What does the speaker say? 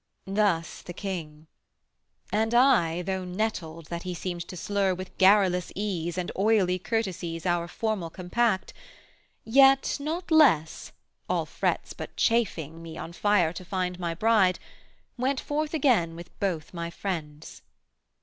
Thus the king; And I, though nettled that he seemed to slur With garrulous ease and oily courtesies Our formal compact, yet, not less (all frets But chafing me on fire to find my bride) Went forth again with both my friends.